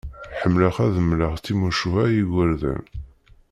Ḥemmleɣ ad d-mleɣ timucuha i yigerdan